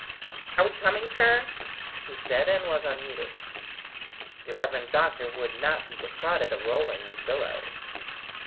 "Are we coming, sir?" he said, and was unheeded. The Rev. Doctor would not be defrauded of rolling his billow.